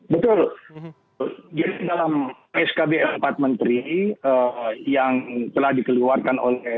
betul jadi dalam skb empat menteri yang telah dikeluarkan oleh